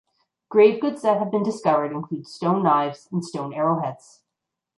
Grave goods that have been discovered include stone knives and stone arrowheads.